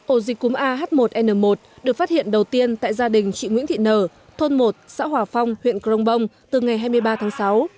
ổ dịch cúm ah một n một được phát hiện đầu tiên tại gia đình chị nguyễn thị nở thôn một xã hòa phong huyện crong bông từ ngày hai mươi ba tháng sáu